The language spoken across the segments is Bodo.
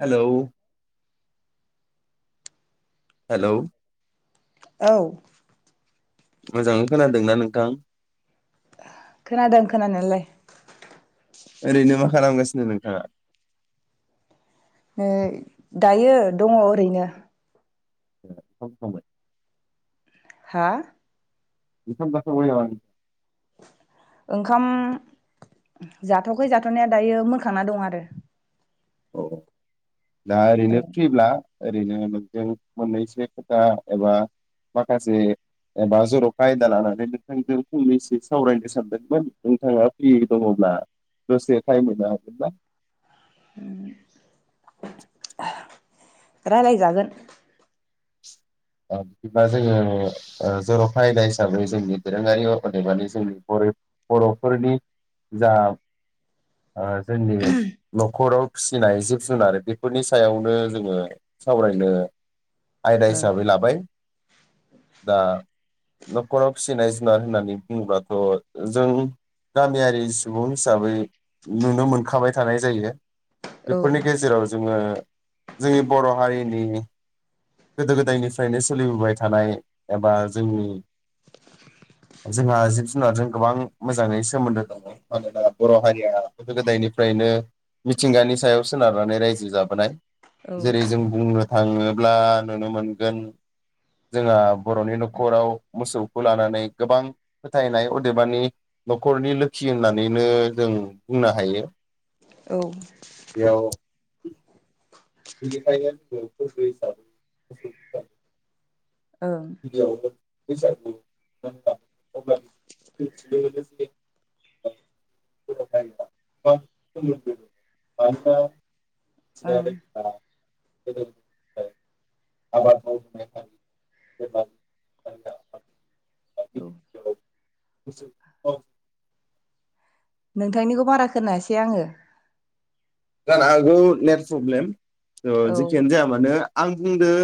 हेलौ हेलौ औ मोजाङै खोनादोंना नोंथां। खोनादों खोनानायालाय ओरैनो ओ दायो दङ ओरैनो। [unintelligible] हा [unintelligible] ओंखाम जाथवाखै जानाया दायो मोनखांना दं आरो औ दा ओ ओरैनो फैब्ला ओरैनो नोंजों मोननैसो खोथा एबा माखासे एबा जरखा आयदा लानानै [unintelligible] फंनैसो सावरायनो सानदोंमोन नोंथांआ फ्रियै दङंब्ला दसे ताइम होनो हागोन ना? [unintelligible] राय्लायजागोन बिदिबा जोङो जर'फा आयदा हिसाबै जोंनि दोरोङारि अदेबानि जोंनि बर'फोरनि ओ जोंनि न'खराव फिसिनाय जिब जुनार बेफोरनि सायावनो आयदा ओं हिसाबै लाबाय दा न'खराव फिसिनाय जुनार होननानै बुंङोब्लाथ जों गामियारि सुबुं हिसाबै नुनो मोनखाबाय थानाय जायो। औ बेफोरनि गेजेराव जोङो जोंनि बर हारिनि गोदो गोदायनिफ्रायनो सोलिबोबाय थानाय एबा जोंनि जोंहा जिब-जुनारजों गोबां मोजांङै सोमोन्दो दंङ मानो होनोब्ला बर हारिया गोदो गोदायनिफ्रायनो मिथिंगानि सायाव सोनारनानै रायजो जाबोनाय औ जेरै जों बुंनो थाङोब्ला नुनो मोनगोन जोंहा न'खराव मोसौखौ लानानै गोबां‌ फोथायनाय अदेबानि न'खरनि लोखि होननानैनो जो- बुंनो हायो। औ [unintelligible] ओं गिबिआव बैसागु [unintelligible] औ [unintelligible] नोंथांनिखौ बारा खोनायासै आं। जानो हागौ नेट प्रब्लेम। ओ औ जिखियानो जाया मानो। आं बुंदों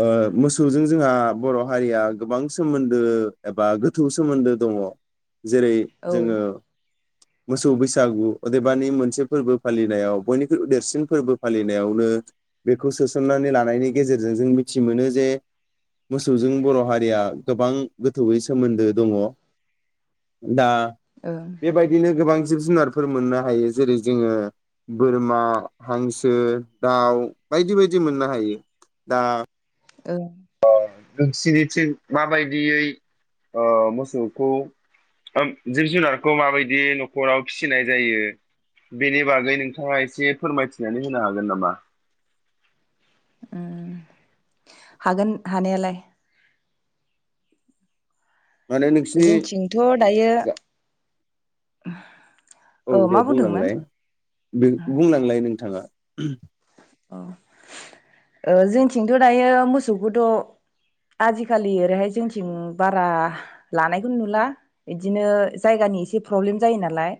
ओ मोसौजों जोंहा बर' हारिआ गोबां सोमोनदो एबा गोथौ सोमोनदो दङ। जेरै ओं जोङो मोसौ बैसागु अदेबानि मोनसे फोरबो फालिनायाव बयनिख्रुइ देरसिन फोरबो फालिनायावनो बेखौ सोसननानै लानायनि गेजेरजों जों मिथि मोनो जे मोसौजों बर' हारिआ गोबां गोथौयै सोमोनदो दङ दा ओं बेबायदिनो गोबां जिब जुनारफोर मोननो हायो जेरै जोङो बोरमा, हांसो, दाउ बायदि बायदि मोननो हायो दा औ नोंसिनिथिं माबायदियै ओ मोसौखौ जिब -जुनारखौ माबायदियै न'खराव फिसिनाय जायो? बेनि बागै नोंथाङा एसे फोरमायथिनानै होनो हागोन नामा? ओम हागोन हानायालाय। माने नोंसिनि जोंथिंथ' दायो [unintelligible] औ दे मा बुंदोंमोन बुंलांलाय बे बुंनांलाय नोंथाङा। [unintelligible] ओ जोंथिंथ' दायो मोसौखौथ' आजिखालि ओरैहाय जोंथिं बारा लानायखौनो नुला बिदिनो जायगानि एसे प्रब्लेम जायो नालाय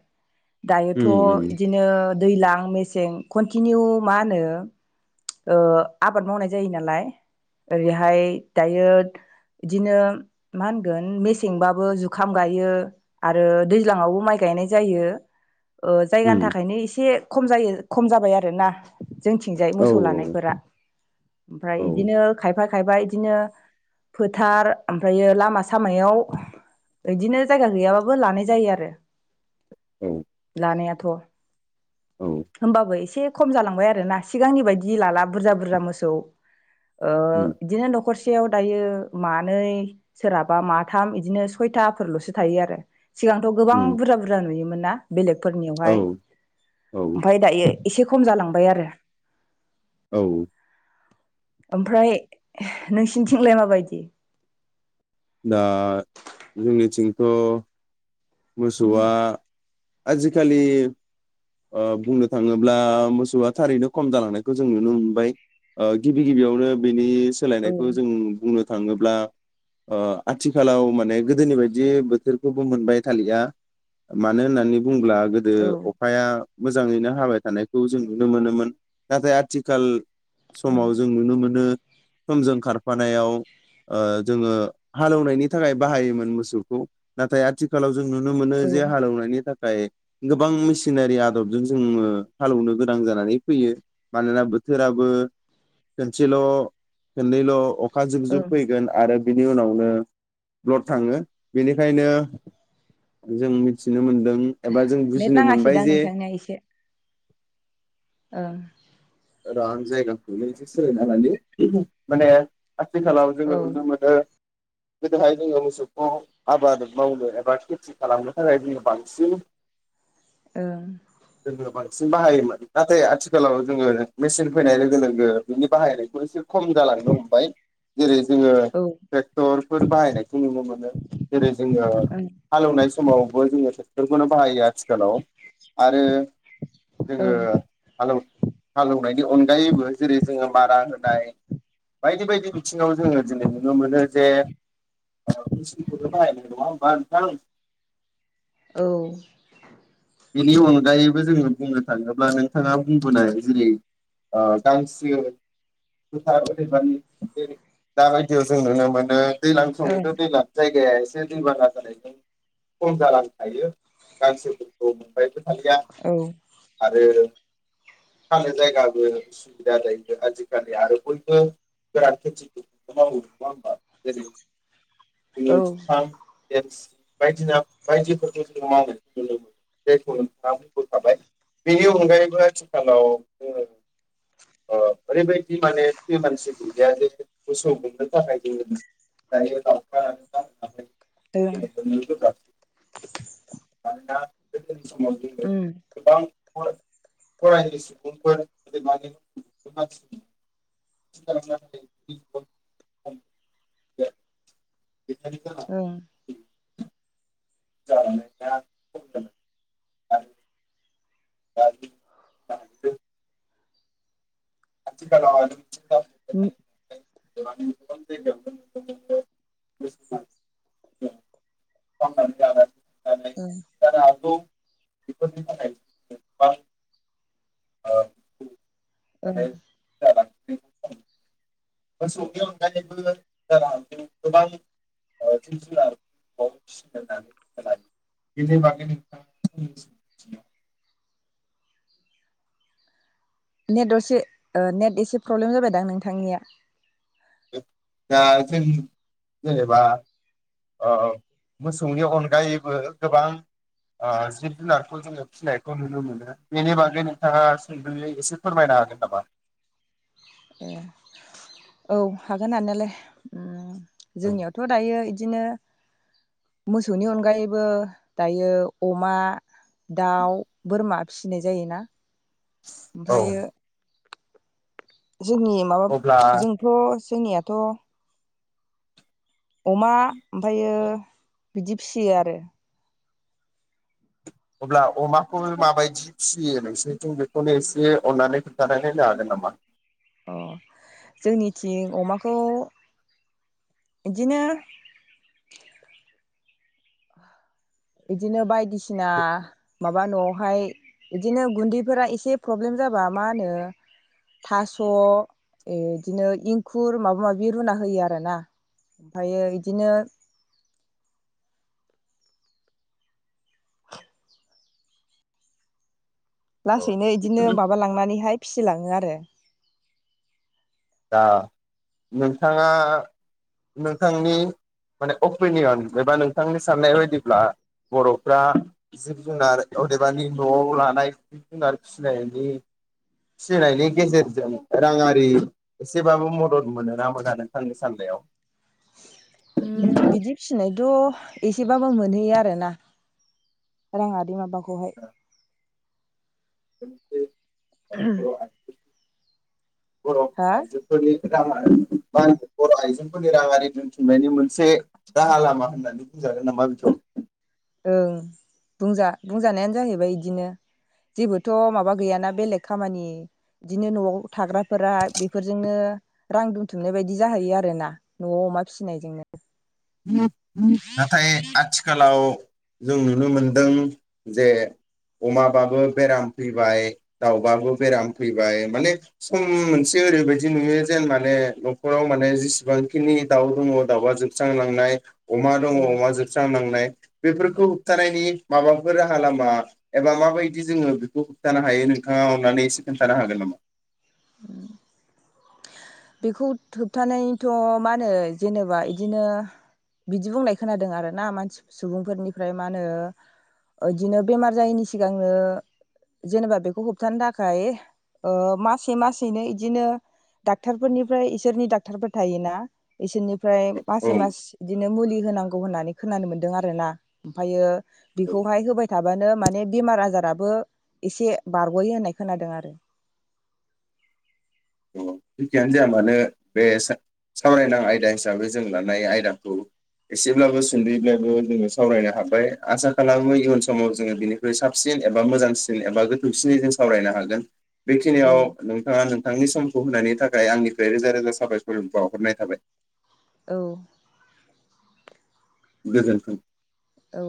उम उम दायोथ' इदिनो दैज्लां मेसें कन्टिनिउ मा होनो [unintelligible] ओ आबाद मावनाय जायो नालाय ओरैहाय दायो इदिनो मा होनगोन मेसेंबाबो जुखाम गायो आरो दैज्लाङावबो माइ गायनाय जायो। ओ जायगानि उम थाखायनो एसे खम जायो खम जाबाय आरो ना। जोंथिंजाय औ मोसौ [unintelligible] लानायफोरा ओमफ्राय औ बिदिनो खायफा खायबा बिदिनो फोथार ओमफ्रायो लामा -सामायाव इदिनो जाया गैयाबाबो लानाय जायो आरो औ लानायाथ' औ होमबाबो एसे खम जालांबाय आरोना सिगांनि बाइदि [unintelligible] लाला बुरजा -बुरजा मोसौ ओ उम बिदिनो न'खरसेयाव दायो मानै सोरहाबा माथाम इदिनो सयथाफोरल'सो थायो आरो सिगांथ' गोबां उम बुरजा -बुरजा नुयोमो [unintelligible] बेलेग औ फोरनियावहाय औ ओमफ्राय दायो एसे खम जालांबाय आरो। औ ओमफ्राय नोंसिनिथिंलाय माबायदि? दा जोंनिथिंथ' मोसौआ आजिखालि ओ बुंनो थाङोब्ला मोसौआ थारैनो खम जालांनायखौ जों नुनो मोनबाय ओ गिबि गिबियावनो बेनि औ सोलायनायखौ जों बुंनो थाङोब्ला ओ आथिखालाव माने गोदोनि बायदि बोथोरखौबो मोनबाय थालिया मानो होन्नानै बुङोब्ला गोदो औ अखाया मोजाङैनो हाबाय थानायखौ जों नुनो मोनोमोन नाथाय आथिखाल समाव जों नुनो मोनो समजों खारफानायाव ओ जोङो हालेवनायनि थाखाय बाहायोमोन मोसौखौ नाथाय आथिखालाव जों नुनो मोनो औ जे हालेवनायनि था ओफ्राय गोबां मेसिनारि आदबजों जोङो हालेवनो गोनां जानानै फैयो मानोना बोथोराबो खनसेल' खनैल' अखा जुब जुब औ फैगोन आरो बिनि उनाव ओ ब्लद थाङो बेनिखायनो जों मिथिनो मोन दों एबा जों नेट बुजिनो नाङासै मोनबाय दा जे नोंथांनिया एसे ओं रां जायगाखौनो एसे सोलायना लानि माने आथिखालाव औ जोङो नुनो मोनो गोदोहाय जोङो मोसौखौ आबाद मावनो एबा खेथि खालामनो थाखाय जोङो बांसिन ओं सिन बाहायोमोन नाथाय आथिखालाव जोङो मेसिन फैनाय लोगो लोगो बिनि बाहायनायखौ एसे खम जालांनो हमबाय जेरै जोङो औ ट्रेक्टरफोर बाहायनायखौ नुनो मोनो जेरै जोङो ओं हालौवनाय समावबो जोङो बेफोरखौनो बाहायो आथिखालाव आरो जोङो ओं हाल हालेवनायनि अनगायैबो जेरै जोङो मारा होनाय बायदि बायदि बिथिङाव जोङो दिनै नुनो मोनो जे मेचनखौनो बाहायनाय नङा होमबा नोंथां औ बेनि अनगायैबो जोङो बुंनो थाङोब्ला नोंथाङा बुंबोनाय जेरै गांसो फोथार अदेबानि जेरै दाबायदियाव जों नुनो मोनो दैज्लां समाव औ [unintelligible] [unintelligible] एसे दैबाना जानायजों खम जालांनो हायो [unintelligible] [unintelligible] [unintelligible] आरो फानो जायगाबो उसुबिदा जायो आजिखालि आरो बयबो गोरान खेथि [unintelligible] नङा होमबा जेरै औ जों ओं जुफाम एमस बायदिना बायदिफोरखौ जों मावनो नुनो मोनो जायखौ नोंथाङा बुंबोखाबाय बेनि अनगायैबो आथिखालाव जोङो ओरैबायदि माने बेयो मोनसे बिबायारि मोसौ गुमनो थाखाय [unintelligible] [unintelligible] मानोना गोदोनि उम समाव जोङो गोबां [unintelligible] गैथारि जागा ओं बे [unintelligible] आरो [unintelligible] खाथि खालाव उम [unintelligible] उम जानो हागौ बेफोरनि थाखाय गोबबां औ ओं [unintelligible] [unintelligible] मोसौनि अनगायैबो जानो हागौ गोबां ओ जिब जुनार ओ फिसिनो [unintelligible] नेट असे ओ नेट एसे प्रब्लेम जाबायदां नोंथांनिया दा जों जेनेबा ओ मोसौनि अनगायैबो गोबां ओ जिब जुनारखौ जोङो फिसिनायखौ नुनो मोनो बेनि बागै नोंथाङा सुंद'यै एसे फोरमायना हागोन नामा? [unintelligible] औ हागोन हानायालाय उम जोंनियावथ' दायो इद दिनो मोसौनि अनगायैबो दायो अमा, दाउ, बोरमा, फिसिनाय जायोना औ ओमफायो जोंनि माबाब अब्ला जोंथ' जोंनिया थ अमा ओमफायो बिदि फिसियो आरो अब्ला अमाखौ माबायदि फिसियो नोंसिनिथिं बेखौनो एसे अननानै खोन्थानानै होनो हागोन नामा अ जोंनिथिं अमाखौ इदिनो इदिनो बायदिसिना माबा न'आवहाय इदिनो गुन्दैफोरा एसे प्रब्लेम जाबा मा होनो थास' एदिनो इंखुर माबा माबि रुना होयो आरोना ओमफायो इदिनो लासैनो इदिनो माबा लांनानैहाय फिसिलाङो आरो दा नोंथाङा नोंथांनि माने अपिनियन एबा नोंथांनि साननाय बायदिब्ला बर'फ्रा जिब -जुनार अदेबानि न'आव लानाय जिब -जुनार फिसिनायनि फिसिनायनि गेजेरजों राङारि एसेबाबो मदद मोनोना मोना नोंथांनि साननायाव उम बिदि फिसिनाय थ' एसेबाबो मोनहैयो आरोना राङारि माबा खौहाय। [unintelligible] बर' आइजो [unintelligible] बर' हा आइजोफोरनि राङारि बा बर' आइजेंफोरनि राङारि दोनथुमनायनि मोनसे राहा लामा होननानै बुंजागोन नामा बिखौ ओं बुंजा बुंजानायानो जाहैबाय इदिनो जेबोथ' माबा गैयाना बेलेग खामानि इदिनो न'आव थाग्राफोरा बेफोरजोंनो रां दुमथुमनाय बायदि जाहैयो आरोना न'आव अमा फिसिनायजोंनो नाथाय आथिखालाव जों नुनो मोनदों जे अमाबाबो बेराम फैबाय दाउबाबो बेराम फैबाय माने सम मोनसे ओरैबायदि नुयो जेन माने न'खराव माने जेसेबांखिनि दाउ दङ' दाउआ जों जांलांनाय। अमा दङ अमा जोबस्रांलांनाय। बेफोरखौ होबथानायनि। माबाफोर राहा लामा एबा माबायदि जोङो बेखौ होबथानो हायो नोंथाङा अननानै एसे खोन्थानो हागोन नामा? ओम। बेखौ होबथानायथ' मा होनो जेनेबा इदिनो बिदि बुंनाय खोनादों आरोना मानसि सुबुंफोरनिफ्राय मा होनो बिदिनो बेमार जायैनि सिगांनो जेनेबा बेखौ होबथानो थाखाय मासे मासेनो इदिनो दाक। डाक्टार फोरनिफ्राय इसोरनि डाक्टारफोर थायोना इसोरनि। ओमफ्राय मासै औ मास। बिदिनो मुलि होनांगौ होननानै खोनानो मोनदों आरोना ओमफायो औ बेखौहाय होबाय थाबानो माने बेमार आजाराबो एसे बारग'यो होननाय खोनादों आरो। जेखियानो जाया मानो बे सावरायनां आयदा हिसाबै जों लानाय जेखियानो जाया मानो बे सा-सावरायनां आयदा हिसाबै जों लानाय आयदाखौ एसेब्लाबो सुंद'यैब्लाबो जोङो सावरायनो हाबाय आसा खालामो इयुन समाव जोङो बिनिख्रुइ साबसिन एबा मोजांसिन एबा गोथौसिनै जों सावरायनो हागोन। औ बेखिनियाव नोंथाङा नोंथांनि सम। खौ होनायनि थाखाय आंनिफ्राय रोजा रोजा साबायखरखौ बाउहरनाय थाबाय। औ। गोजोन्थों। औ।